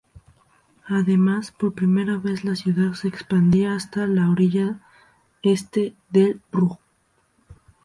Además, por primera vez la ciudad se expandía hasta la orilla este del Ruhr.